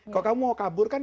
kalau kamu mau kabur kan